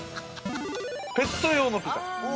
◆ペット用のピザ。